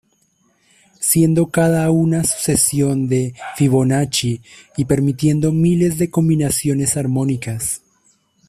Siendo cada una sucesión de Fibonacci y permitiendo miles de combinaciones armónicas.